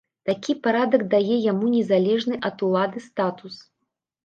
Такі парадак дае яму незалежны ад улады статус.